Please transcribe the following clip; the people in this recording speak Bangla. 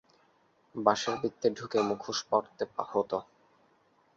বাঁশের বৃত্তে ঢুকে মুখোশ পরতে হত।